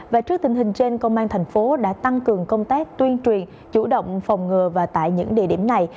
và trước tình hình trên công an thành phố đã tăng cường công tác tuyên truyền chủ động phòng ngừa và tại những địa điểm này